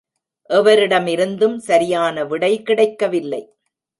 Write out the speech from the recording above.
எவரிடமிருந்தும் சரியான விடை கிடைக்வில்லை.